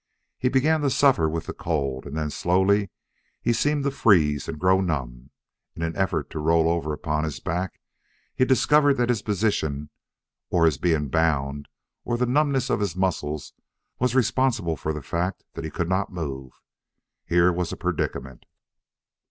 He began to suffer with the cold, and then slowly he seemed to freeze and grow numb. In an effort to roll over upon his back he discovered that his position, or his being bound, or the numbness of his muscles was responsible for the fact that he could not move. Here was a predicament.